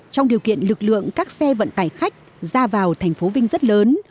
trong điều kiện lực lượng các xe vận tải khách ra vào thành phố vinh rất lớn